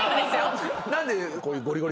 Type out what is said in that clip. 何で。